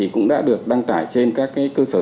cũng đã được đăng tải trên các cơ sở